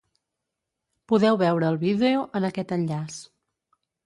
Podeu veure el vídeo en aquest enllaç.